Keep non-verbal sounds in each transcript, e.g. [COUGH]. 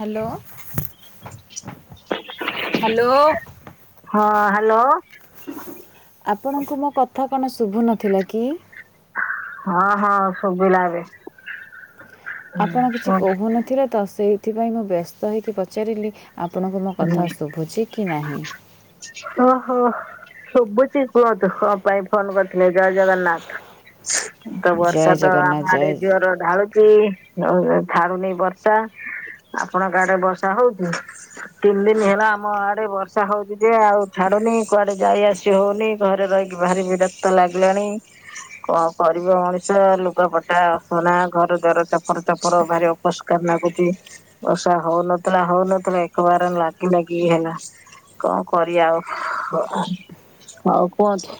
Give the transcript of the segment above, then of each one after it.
Hello -hello. ହଁ- hello. ଆପଣଙ୍କୁ ମୋ କଥା କଣ ଶୁଭୁ ନଥିଲା କି? ହଁ- ହଁ ଶୁବିଲା ଏବେ। ହୁଁ ଆପଣ କିଛି କୁହନ୍ତୁ। କହୁନଥିଲେ ତ ସେଇଥିପାଇଁ ମୁଁ ବ୍ୟସ୍ତ ହେଇକି ପଚାରିଲି ଆପଣଙ୍କୁ ମୋ କଥା ଶୁଭୁଚି କି ନାହିଁ। ଓହୋ। ଶୁବୁଛି କୁହନ୍ତୁ କଣ ପାଇଁ ଫୋନ୍ କରିଥିଲେ ଜୟ ଜଗନ୍ନାଥ୍। ତ ଜୟ ବର୍ଷା ତ ଜଗନ୍ନାଥ ଆମ ଆଡେ ଜୟ ଜୋର ଢାଳୁ ଚି ଛାଡୁନି ବର୍ଷା। ଆପଣଙ୍କ ଆଡେ ବର୍ଷା ହଉଚି? ତିନି ଦିନ୍ ହେଲା ଆମ ଆଡେ ବର୍ଷା ହଉଚି ଯେ ଆଉ ଛାଡୁନି କୁଆଡେ ଯାଇ ଆସି ହଉନି। ଘରେ ରହିକି ଭାରି ବିରକ୍ତ ଲାଗିଲାଣି। କଣ କରିବ ମଣିଷ ଲୁଗାପଟା ଅସନା ଘର ଦ୍ୱାର ଚପର ଚପର ଭାରି ଅ ଅପରିଷ୍କାର ନାଗୁଚି ବର୍ଷା ହଉନଥିଲା ହଉନଥିଲା ଏ ଏକବାର ଲାଗି ଲାଗି ହେଲା କଣ କରିବା ଆଉ। ହଉ କୁହନ୍ତୁ।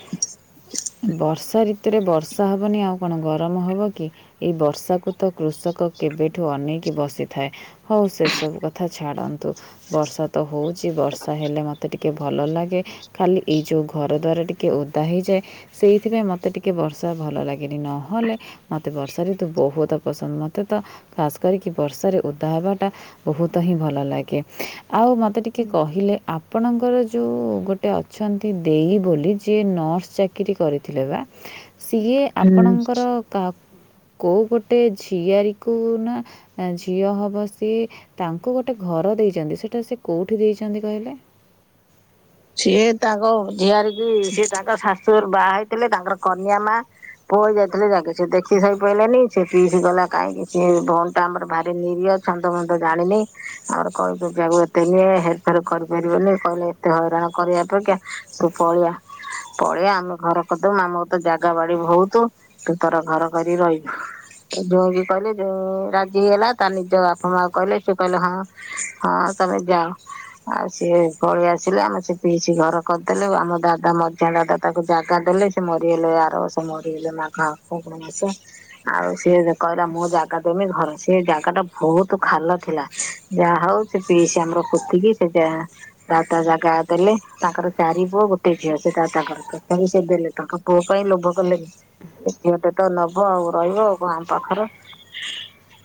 ବର୍ଷା ଋତୁରେ ବର୍ଷା ହବନି ଆଉ କଣ ଗରମ ହବ କି? ଏଇ ବର୍ଷାକୁ ତ କୃଷକ କେବେଠୁ ଅନେଇକି ବସିଥାଏ। ହଉ ସେ ସବୁ କଥା ଛାଡନ୍ତୁ। ବର୍ଷା ତ ହଉଚି ବର୍ଷା ହେଲେ ମୋତେ ଟିକେ ଭଲ ଲାଗେ। ଖାଲି ଏଇ ଯଉ ଘର ଦ୍ଵାର ଟିକେ ଓଦା ହେଇଯାଏ। ସେଇଥିପାଇଁ ମୋତେ ଟିକେ ବର୍ଷା ଭଲ ଲାଗେନି ନହେଲେ ମତେ ବର୍ଷା ଋତୁ ବହୁତ ପସନ୍ଦ ମତେ ତ ଖାସ୍ କରିକି ବର୍ଷାରେ ଉଦା ହବାଟା ବହୁତ ହିଁ ଭଲ ଲାଗେ। ଆଉ ମତେ ଟିକେ କହିଲେ ଆପ୍ ଆପଣଙ୍କର ଯଉ ଗୋଟେ ଅଛନ୍ତି ଦେଇ ବୋଲି ଯିଏ ନର୍ସ ଚାକ୍ ଚାକିରି କରିଥିଲେ ବା ସିଏ ହୁଁ ଆପଣଙ୍କର କ କଉ ଗୋଟେ ଝିଆରୀକୁ ନା ଝିଅ ହବ ସିଏ ତାଙ୍କୁ ଗୋଟେ ଘର ଦେଇଚନ୍ତି ସେଟା ସେ କଉଠି ଦେଇଚନ୍ତି କହିଲେ? ସିଏ ତାଙ୍କ ଝିଆରୀ କିି ସିଏ ତାଙ୍କ ଶାଶୁଘରୁ ବାହା ହେଇ ଥିଲେ ତାଙ୍କର କନ୍ୟା ମା ପୁଅ ଯାଇଥିଲେ ଯାହାକି ସେ ଦେଖି ସହି ପାଇଲେନି ସେ ପିଇସି ଗଲା କାଇଁକି ସେ ଭଉଣୀଟା ଆମର ଭାରି ନିରିହ ଛନ୍ଦମନ୍ଦ ଜାଣିନି ଆମର କଳି କଜିଆକୁ ଏ ଏତେ ନି ହେର୍ ଫେର୍ କରିପାରିବନି କହିଲେ ଏତେ ହଇରାଣ କରିବା ଅପେକ୍ଷା ତୁ ପଳେଇଆ। ପଳେଇଆ ଆମେ ଘର କରିଦବୁ ଆମର ତ ଜାଗା ବାଡି ବହୁତୁ ତୁ ତର ଘର କରି ରହିବୁ। ଜୋଇଁ ବି କହିଲେ [UNINTELLIGIBLE] ରାଜି ହେଲା ତା ନିଜ ବାପା ମାଆଙ୍କୁ କହିଲେ ସେ କହିଲେ ହଁ ହଁ ତମେ ଯାଅ ଆଉ ସିଏ ପଳେଇ ଆସିଲେ ଆମେ ଯିବୁ। ପିଇସି ଘର କରିଦେଲେ ଆମ ଦାଦା ମଝିଆଁ ଦାଦା ତାକୁ ଜାଗା ଦେଲେ ସେ ମରିଗଲେ ଆର ବର୍ଷ ମରିଗଲେ ମା ହଁ ଫଗୁଣ ମାସ। ଆଉ ସିଏ ଦେ-କହିଲା ମୋ ଜାଗା ଦେମି ଘର ସେ ଜାଗା ଟା ବହୁତ୍ ଖାଲ ଥିଲା ଯାହା ହଉ ସେ ପିଉସିଆମର ପୋତିକି ସେ ଦାଦା ଜାଗା ଦେଲେ ତାଙ୍କର ଚାରି ପୁଅ ଗୋଟେ ଝିଅସେ ଦାଦାଙ୍କର ତଥାପି ସେ ଦେଲେ ତାଙ୍କ ପୁଅ ପାଇଁ ଲୋଭ କଲେ। ସେ ଝିଅ ଟା ନବ ଆଉ ରହିବ ଆମ ପାଖର।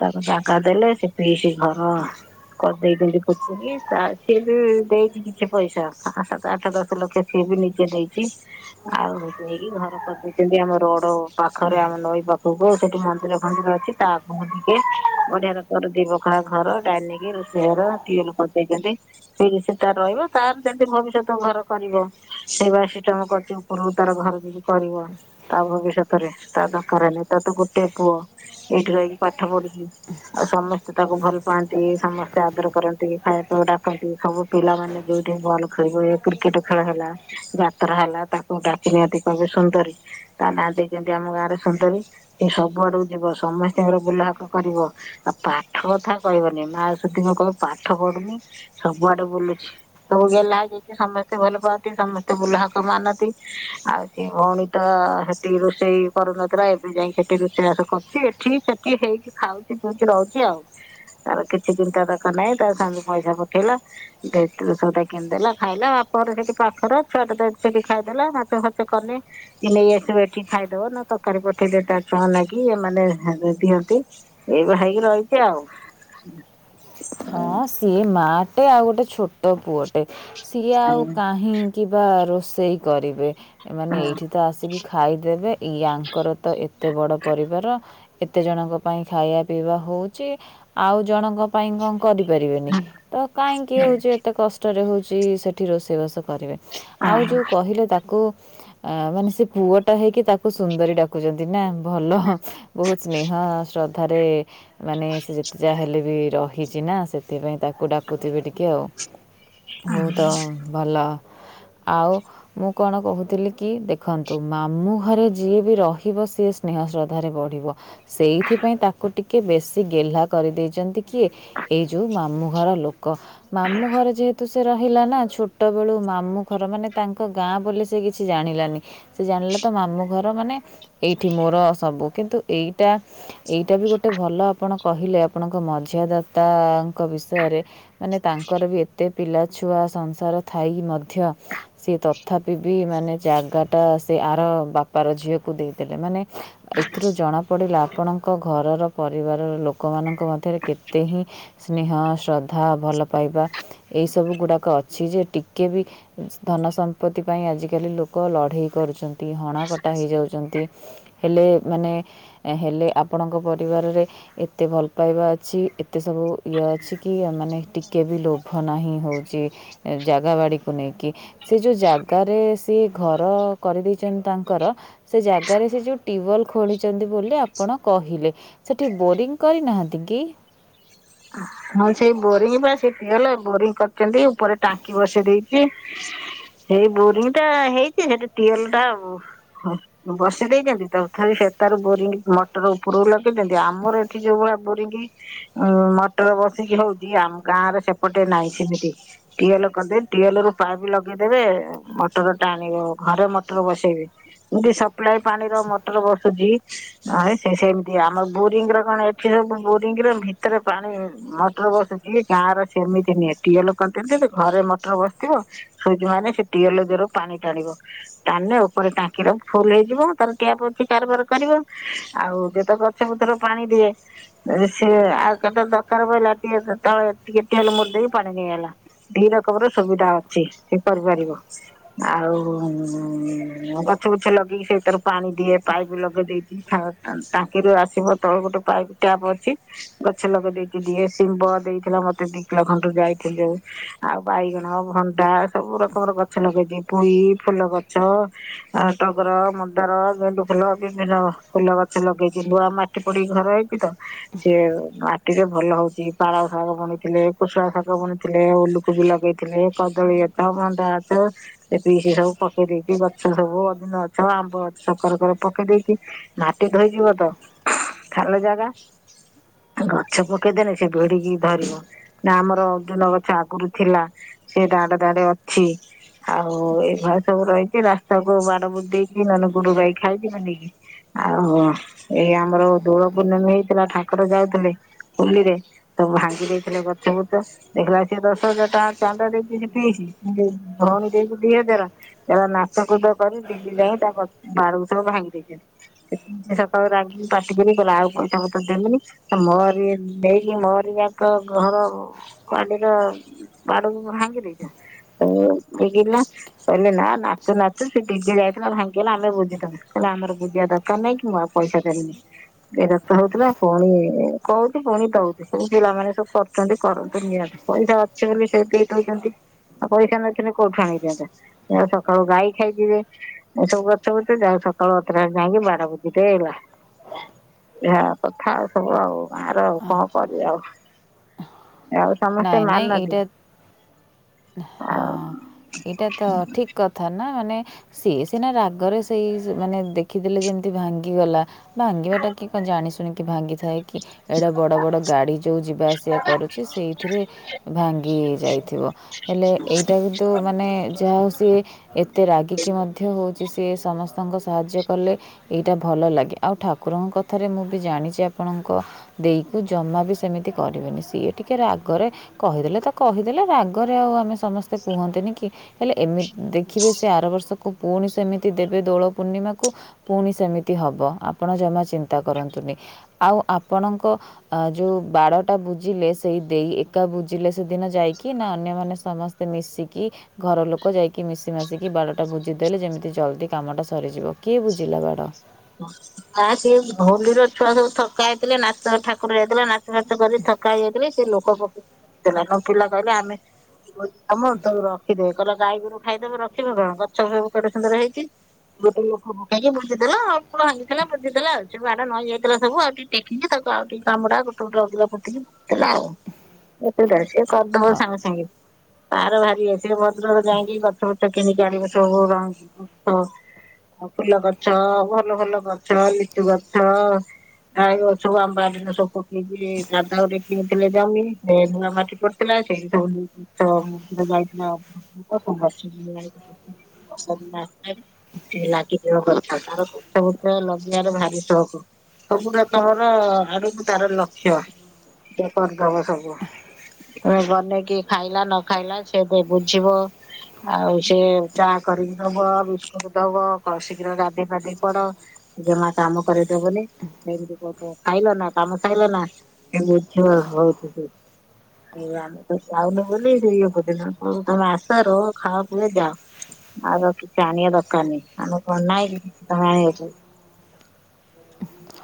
ତାକୁଜାଗା ଦେଲେ ସେ ପିଇସି ଘର କରିଦେଇଛନ୍ତି ଖୁସି ତାସିଏ ବି ଦେଇଛି କିଛି ପଇସା। ଟଙ୍କ। ସାତ ଆଠ ଦଶ ଲକ୍ଷ ସିଏ ବି ନିଜେନେଇଛି। ଆଉ ନେଇକି ଘରେ କରିଦେଇଛନ୍ତି ଆମ ରୋଡ ପାଖରେ ଆମ ନଈ ପାଖକୁ ସେଠି ମନ୍ଦିର ଫନ୍ଦିର ଅଛି। ତାକୁ ଟିକେ ବଢିଆ ର ଦିବଖ ଘର ଡାଇନିକି ରୋଷେଇ ଘରଟି ୱେଲ୍‌ କରିଦେଇଚନ୍ତି। ସେ ଏଟି ତାରରହିବ ତାର ସେ ଭବିଷ୍ୟତ ଘର କରିବ ସେବା ସିଷ୍ଟମ କରଛି ଉପରକୁ ତାର ଘର କରିବ। ତା ଭବିଷ୍ୟତରେ ତା ର [INAUDIBLE] ତାର ତ ଗୋଟେ ପୁଅ ଏଇଠି ରହି ପାଠ ପଢିିଚି। ଆଉସମସ୍ତେ ତାକୁ ଭଲ ପାଆନ୍ତି ସମସ୍ତେ ଆଦର କରନ୍ତି ଖାଇବା ପିଇବାକୁ ଡାକନ୍ତି ସବୁ ପିଲାମାନେ ବି। ବଲ ଖେଳିବ ଇଏ କ୍ରିକେଟ ଖେଳ ହେଲା ଯାତ୍ରା ହେଲା ତାକୁ ଡାକି ନିଅନ୍ତି କହିବେ ସୁନ୍ଦରୀ ତା ନାଁ ଦେଇଚନ୍ତି ଆମ ଗାଁରେ ସୁନ୍ଦରୀସେ ସବୁ ଆଡ଼କୁ ଯିବସମସ୍ତଙ୍କର ବୁଲହାକ କରିବ। ଆଉ ପାଠ କଥା କହିବନି ମା ସୁତ କହିଲ ପାଠ ପଢୁନି ସବୁଆଡେ ବୁଲୁଛି। ସବୁଗେହ୍ଲାଯେତେସମସ୍ତେ ଭଲ ପାଆନ୍ତି ସମସ୍ତେ ବୁଲହାକ ମାନନ୍ତି। ଆଉ ସେ ଭଉଣୀ ତ ସେଠି ରୋଷେଇ କରୁନଥିଲା ଏବେ ଯାଇ ସେଠି ରୋଷେଇବାସ କରୁଛି। ଠିକ ସେଠି ହେଇକି ଖାଉଛି ପିଇଚିରହୁଛି ଆଉ। ତାର କିଛି ଚିନ୍ତା ଧକ ନାହିଁ ତା ସ୍ୱାମୀ ପଇସା ପଠେଇଲା ଦେ - ସୌଦା କିଣିଦେଲା ଖାଇଲା ବାପରେ ସେଠି ପାଖ ଛୁଆଟେ ସେଠି ଖାଇଦେଲା ନାଛ ଫାଚ କଲେ ନେଇଆସିବଏଠିକି ଖାଇଦବ ନହେଲେ ତରକାରୀ ପଠେଇଲେ ତା ଛୁଆ ଙ୍କ ନାଗି ମାନେ ଦେଇଦିଅନ୍ତି। ଏଇ ଭାଇ ରହିଚି ଆଉ। ହଁ ସିଏ ମାଟେ ଆଉ ଗୋଟେ ଛୋଟ ପୁଅଟେ ସିଏ ଆଉ ହୁଁ। କାହିଁ। କି ବା ରୋଷେଇ କରିବେ ଏମାନେ ଏଇଠି ତ ଆସିକି। ଖାଇଦେବେ ଇୟାଙ୍କର ତ ଏତେ ବଡ଼ ପରିବାର। ଏତେ ଜଣଙ୍କ ପାଇଁ ଖାଇବା ପିଇବା ହଉଚିଆଉ ଜଣକ ପାଇଁ କଣ କରିପାରିବେନି। ତ କାହିଁକି ହଉଚି ଏତେ କଷ୍ଟରେ ହଉଚିସେଠି ରୋଷେଇବାସ କରିବେ। ଆଉ ହଁ ଯୋଉ କହିଲ ତାକୁ ଆଉମାନେସେ ପୁଅ ଟା ହେଇକି ତାକୁ ସୁନ୍ଦରୀ ଡାକୁଚନ୍ତି ନା ଭଲ। ବହୁତ ସ୍ନେହ ଶ୍ରଦ୍ଧାରେ ମାନେ ସେ ଯେତେ ଯାହା ହେଲେ ବି ରହ। ହେଇଚି ନା ସେଥିପାଇଁ ତାକୁ ଡାକୁଥିବେ ଟିକେ ଆଉ ହଉ ତ ଭଲ ଆଉ। ମୁଁ କଣ କହୁଥିଲି କି ଦେଖନ୍ତୁ ମାମୁଁ ଘରେ ଯିଏ ବି ରହିବ ସିଏ ସ୍ନେହ ଶ୍ରଦ୍ଧାରେ ବଢିବ ସେଇଥିପାଇଁ ତାକୁ ଟିକେ ବେଶୀ ଗେହ୍ଲା କରିଦେଇଚନ୍ତି। କିଏ ଏଇ ଯେଉଁ ମାମୁଁ ଘର ଲୋକ ମାମୁଁ ଘର ଯେହେତୁ ସେ ରହିଲା ନା ଛୋଟ ବେଳୁ ମାମୁଁ ଘର ମାନେ ତାଙ୍କ ଗାଁ ବୋଲି ସେ କିଛି ଜାଣିଲାନି ସେ ଜାଣିଲା ତ ମାମୁ ଘର ମାନେ ଏଇଠି ମୋର ସବୁ କିନ୍ତୁ ଏଇଟା ଏଇଟା ବି ଗୋଟେ ଭଲ ଆପଣ କହିଲେ ଆପଣଙ୍କ ମ ଝିଆ ଦାତାଙ୍କ ବିଷୟରେ ମାନେ ତାଙ୍କର ବି ମୋତେ ପିଲାଛୁଆ ସଂସାର ଥାଇ ମଧ୍ୟ ସେ ତଥାପି ବି ମାନେ ଜାଗାଟା ସେ ଆର ବାପାର ଝିଅକୁ ଦେଇଦେଲେ ମାନେ ଏଥିରୁ ଜଣାପଡ଼ିଲା ଆପଣଙ୍କ ଘରର ପରିବାରର ଲୋକମାନଙ୍କ ମଧ୍ୟରେ କେତେ ମତେ ହିଁ ସ୍ନେହ, ଶ୍ରଦ୍ଧା, ଭଲ ପାଇବା ଏଇ ସବୁ ଗୁଡ଼ାକ ଅଛି ଯେ ଟିକେ ବି ଧନ ସମ୍ପତ୍ତି ପାଇଁ ଆଜିକାଲି ଲୋକ ଲଢେଇ କରୁଚନ୍ତି, ହଣା କଟା ହେଇଯାଉଚନ୍ତି। ହେଲେ ମାନେ ହେଲେ ଆପଣଙ୍କ ପରିବାରରେ ଏତେ ଭଲ୍ ପାଇବା ଅଛି। ଏତେ ସବୁ ଇଏ ଅଛି କି ଅ ମାନେ ଟିକେ ବି ଲୋଭ ନାହିଁ, ହଉଚି ଜାଗା ବାଡିକୁ ନେଇକି। ସେ ଯୋଉ ଜାଗାରେ ସିଏ ଘର କରିଦେଇଚନ୍ତି ତାଙ୍କର ସେ ଜାଗାରେ ସେ ଯୋଉ ଟ୍ୟୁବଲ ଖୋଳିଚନ୍ତି ବୋଲି ଆପଣ କହିଲେ। ସେଠି ବୋରିଂ କରିନାହାନ୍ତି କି? ହଁ ସିଏ ବୋରିଙ୍ଗ ବା ସେ ଟ୍ୟୁବଲ ବୋରିଙ୍ଗ କରିଚନ୍ତି ଉପରେ ଟାଙ୍କି ବସେଇ ଦେଇଚି। ସେଇ ବୋରିଂ ଟା ହେଇଚି ସେଠି ଟ୍ୟୁବଲଟା ଆଉ ବସେଇ ଦେଇଚନ୍ତି ତଥାପି ସେ ତାର ବୋରିଙ୍ଗ ମଟର ଉପରକୁ ଲଗେଇ ଦିଅନ୍ତି ଆମର ଏଠି ଯୋଉ ଭଳିଆ ବୋରିଙ୍ଗି ଉଁ ମାଟର ବସିକି ହଉଚି ଆମ ଗାଁରେ ସେପଟେ ନାହିଁ ସିମିତି। ଟ୍ୟୁବଲ କରିଦେ ଟ୍ୟୁବଲ ରୁ ପାଇପ ଲଗେଇଦେବେ ଆଉ। ମଟର ଟା ଆଣିବୁ ଘରେ ମଟର ବସେଇବି ଏମତି ସପ୍ଲାଏ ପାଣିର ମଟର ବସୁଚି। ନହେ ସେ ସେମିତି ଆମ ବୋରିଙ୍ଗ ର କଣ ଏଠି ସବୁ ବୋରିଙ୍ଗ୍ ରେ ଭିତରେ ପାଣି ମଟର ବସିଚି ଗାଁର ସେମିତି ନିଏ କିଏ ଲୋକ କେମିତି ଏମତି ଘରେ ମଟର ବସିଥିବ। ସୁଜୁହାନେ ସେ ଟ୍ୟୁବଲ ଜର ପାଣି ଟାଣିବ। ଟାଣିଲେ ଉପରେ ଟାଙ୍କି ଟା ଫୁଲ୍ ହେଇଯିବ ତାର ଟ୍ୟାପ୍ ଅଛି କାରବାର କରିବ ଆଉ ଯେତକ ଗଛବୁଛର ପାଣି ଦିଏ ଯେ ସିଏ ଆଉ କେତଲ୍ ଦ [UNINTELLIGIBLE] ପାଣି ନେଇ ଆଇଲା। ଧି ରକମ ର ସୁବିଧା ଅଛି ସେ କରିପାରିବ। ଆଉ ଗଛ ବୃଛ ଲଗେଇକି ସେଇଥରୁ ପାଣି ଦିଏ ପାଇପ୍ ଲଗେଇ ଦେଇକି ହାଓ ଅନ୍ ଟାଙ୍କିରୁ ଆସିବ ତଳେ ଗୋଟେ ପାଇପ୍ ଟ୍ୟାପ୍ ଅଛି ଗଛ ଲଗେଇ ଦେଇ ଦିଏ ଶିମ୍ବ ଦେଇଥିଲା ମତେ ଦି କିଲ ଖଣ୍ଡେ ଯାଇଥିଲି ଯୋଉ ଆଉ ବାଇଗଣ, ଭଣ୍ଡା। ସବୁ ରକମର ଗଛ ଲଗେଇଦିଏ ପୋଇ, ଫୁଲ ଗଛ ଆ ଟଗର, ମନ୍ଦାର, ଗେଣ୍ଡୁ ଫୁଲ ବିଭିନ୍ନ ଫୁଲ ଗଛ ଲଗେଇଚି ନୂଆ ମାଟ୍ ଟି ପଡି ଘର ହେଇକି ତ ସିଏ ମାଟିରୁମ୍ ଭଲ ହଉଚି ପାଳଙ୍ଗ ଶାଗ ବନେଇଥିଲେ କୁଶୁଳା ଶାଗ ବନେଇଥିଲେ ଉଲୁକୁଵି ଲଗେଇଥିଲେ କଦଳୀ ଏ କମନ୍ ଟା ତ ସେ ପି ସେ ସବୁ ପକେଇ ଦେଇଚି ଗଛ ସବୁ ଅଦିନ ଗଛ ଆମ୍ବ ଗଛ କର କରେ ପକେଇ ଦେଇଚି। ମାଟି ଧୋଇଯିବ ତ ଖାଲ ଜାଗା ଗଛ ପ କେ ଦେନେ ସେ ଭିଡିକି ଧରିବ ନା ଆମର ବେଲ ଗଛ ଆଗୁରୁ ଥିଲା। ସେ ଦାଡେ ଦାଡେ ଅଛି। ଆଉ ଏଭଳି ସବୁ ରହିଚି ରାସ୍ତାକୁ ବାଡ ବୁଜି ଦେଇକି ମାନେ ଗୁରୁ ଗାଈ ଖାଇଯିଵେନି କି। ଆଉ ଏଇ ଆମର ଦୋଳ ପୂର୍ଣମୀ ହେଇଥିଲା ଠାକୁର ଯାଉଥିଲେ ହୋଲିରେ। ତ ଭାଙ୍ଗି ଦେଇଥିଲେ ଗଛ ବୃଛ। ଦେଖିଲା ସେ ଦଶ ହଜାର ଟଙ୍କା ଚାନ୍ଦା ଦେଇଚି ସେ ପିଇସୀ ଭଉଣୀ ଦେଇଚି ଦି ହଜାର। ଚାଲ ନାଚକୁଦ କରି ଦିଲ୍ଲୀ ଯାଇଁ ତା ବାରକୁ ସବୁ ଭାଙ୍ଗି ଦେଇଚନ୍ତି। ସେ ସକାଳୁ ରାଗି ପାଟିିକିରି କହିଲା ଆଉ ପଇସା ପତର ଦେଵିନି ତ ମୋରି ନେଇକି ମୋରିଯାକ ଘର ଵାଡିର ବାଡକୁ ଭାଙ୍ଗି ଦେଇଚ। ତ [UNINTELLIGIBLE] କହିଲେ ନା ନାଚୁ ନାଚୁ ସେ ଡିଜେ ଗାଡିର ଭାଙ୍ଗିଗଲା ଆମେ ବୁଝି [UNINTELLIGIBLE] କହିଲେ ଆମର ବୁଜିବା ଦରକାର ନାହିଁ କି ମୁଁ ଆଉ ପଇସା ଦେମିନି ଏ ବର୍ଷ ହଉଥିଲା ପୁଣି କୋଉ ପୁଣି ଦଉଚୁ ସବୁ ପିଲାମାନେ ସବୁ କରୁଛନ୍ତି କରନ୍ତୁ ନିଅନ୍ତୁ ପଇସା ଅଛି ବୋଲି ସେ ଦେଇ ଦଉଚନ୍ତି। ଆଉ ପଇସା ନଥିଲେ କୋଉଠୁ ଆଣିକିଦିଅନ୍ତା ମୋ ସକାଳୁ ଗାଈ ଖାଇଯିବେ। ଏ ସବୁ ଗଛ ବୃଛ ଯାହଉ ସକାଳୁ ଅତଟ ଯାଇଁକି ବାଡ ବୁଜିଦେଲା। ଯ କଥା ଆଉ ସବୁ ଆଉ। ବାର ଆଉ କଣ କରିବା ଆଉ? ଆଉ ନାଇଁ ସମସ୍ତେ ନାଇଁ ମାନନ୍ତି ଏଇଟା ହଁ ଆଉ ଏଇଟା ତ ଠିକ। କଥା ନା ମାନେ ସିଏ ସିନା ରାଗରେ ସେଇ ମାନେ ଦେଖିଦେଲେ ଯେମିତି ଭାଙ୍ଗିଗଲା। ଭାଙ୍ଗିବାଟା କିଏ କଣ ଜାଣି ଶୁଣିକି ଭାଙ୍ଗିଥାଏ କି? ଏଇଟା ବଡ ବଡ ଗାଡି ଯୋଉ ଯିବା ଆସିବା କରୁଛି ସେଇ ଏଥିରେ ଭାଙ୍ଗି ଯାଇଥିବ। ହେଲେ ଏଇଟା କିନ୍ତୁ ମାନେ ଯାହା ହଉ ସିଏ ଏତେ ରାଗିକି ମଧ୍ୟ ହେଉଛି ସିଏ ସମସ୍ତଙ୍କ ସାହାଯ୍ୟ କଲେ। ଏଇଟା ଭଲ ଲାଗେ। ଆଉ ଠାକୁରଙ୍କ କଥାରେ ମୁଁ ବି ଜାଣିଛି ଆପଣଙ୍କ ଦେଇକୁ ଜମାବି ସେମିତି କରିବେନି। ସିଏ ଟିକେ ରାଗ ରାଗରେ କହିଦେଲେ ତ କହିଦେଲେ ରାଗରେ ଆଉ ଆମେ ସମସ୍ତେ କୁହନ୍ତିନି କି। ହେଲେ ଏମିତି ଦେଖିବେ ସେ ଆର ବର୍ଷକୁ ପୁଣି ସେମିତି ଦେବେ ଦୋଳ ପୂର୍ଣ୍ଣିମାକୁ। ପୁଣି ସେମିତି ହବ ଆପଣ ଜମା ଚିନ୍ତା କରନ୍ତୁନି। ଆଉ ଆପଣଙ୍କ ଯେଉଁ ବାଡ଼ଟା ବୁଜିଲେ ସେଇ ଦେଇ ଏକା ବୁଝିଲେ ସେଦିନ ଯାଇକି। ନା ଅନ୍ୟମାନେ ସମସ୍ତେ ମିଶିକି ଘର ଲୋକ ଯାଇକି ମିଶି ମାସିକି ବାଡଟା ବୁଜିଦେଲେ ଯେମିତି ଜଲଦି କାମଟା ସରିଯିବ। କିଏ ବୁଝିଲା ବାଡ? ଆ ସି ହୋଲିର ଛୁଆ ସବୁ ଥକା ହେଇଥିଲେ ନା ଠାକୁର ଯାଇଥିଲା ନା। ହଘାତ କରି ଥକା ହେଇ ଯାଇଥିଲେ। ସେ ଲୋକ ପକ୍ଷ କହୁଥିଲା ନ ପିଲା କହିଲେ ଆମେ ତମର ତବୁ ରଖିଦେ। କହିଲା ଗାଈ ଗୋରୁ ଖାଇଦବେ ରଖିବେ କଣ? ଗଛ ଫ କେଡେ ସୁନ୍ଦର ହେଇଛି। ଗୋଟେ ଲୋକ ପକେଇକି ବୁଝିଦେଲ ଆଉ। ଭାଙ୍ଗିଥିଲା ବୁଝିଥିଲା ଆଉ। ସେ ବାଡ ନହିଇ ଯାଇଥିଲା ସବୁ ଆଉ ଟିକେ ଟେକିକି ତାକୁ ଆଉ ଟିକେ କାମୁଡା ଗୋଟେ ଗଟ ଅଗା ଫୁଟିକି ଆଉ ଏତଟା ସିଏ କରିଦବ ସାଙ୍ଗେ ସାଙ୍ଗେ। ପାର ବାହାରି ଆସି ସେ ଭଦ୍ରକ ଯାଇକି ଗଛ ଫଛ କିଣିକି ଆଣିବ ସବୁ। ରଙ୍ଗ ଗଛ ଆଉ ଫୁଲ ଗଛ। ଭଲ ଭଲ ଗଛ ଲିଟୁ ଗଛ। ଆଉ ସବୁ ଆମ୍ବାଳା ଦିନ ସବୁ ପକେଇକି ଗାଧାଉରେ କିଣିଥିଲେ ଜମି। ଧୂଆ ମାଟି ପ ଥିଲା ସେଇ ସବୁ ଜ ଯାଇଥିଲା [UNINTELLIGIBLE] [UNINTELLIGIBLE] ସେ ଲାଗିଯିବ ଗଛ ତାରକୁ। ସବୁ ତ ଲଗେଇବାରେ ଭାରି ସଉକୁ। ସବୁଟା ତମର ଆଡକୁ ତାର ଲକ୍ଷ୍ୟ। ସେ କରିଦବ ସବୁ। ତମେ ବନେଇକି ଖାଇଲା ନ ଖାଇଲା ସେ କାଇଁ ବୁଝିବ। ଆଉ ସେ ଚାହା କରିକି ଦବ। ବିସ୍କୁଟ ଦବ। କଳ ଶୀଘ୍ର ଗାଧି ପାଧେଇକି ପଡ ଜମା କାମ କରେଇ ଦବନି। ସେମତି କହୁଥିବ ଖାଇଲ ନା କାମ ସଇଲା ନା। ସେ ବୁଝିବ ବହୁତ। ଏଇ ଆମେ ତ ଯାଉନି ବୋଲି ଦିନ କ ତମେ ଆସ ରହ ଖାଅ ପିଇ ଯାଅ। ଆଉ ତ କିଛି ଆଣିବା ଦରକାର ନାହିଁ। ଆମ କଣ ନାହିଁ କି କିଛି ତମେ ଆଣିବଛି।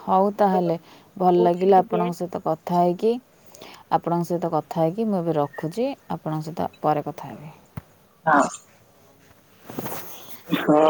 ହଉ ତାହେଲେ ଭଲ ଲାଗିଲା। ଆପଣଙ୍କ ସହିତ କଥା କଥା ହେଇକି ଆପଣଙ୍କ ସହିତ କଥା ହେଇକି ମୁଁ ଏବେ ରଖୁଛି। ଆପଣଙ୍କ ସହିତ ପରେ କଥା ହେବି। ହଁ। ହଁ।